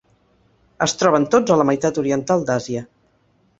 Es troben tots a la meitat oriental d'Àsia.